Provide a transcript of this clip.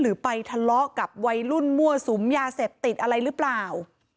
ไปทะเลาะกับวัยรุ่นมั่วสุมยาเสพติดอะไรหรือเปล่า